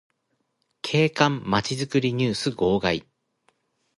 景観まちづくりニュース号外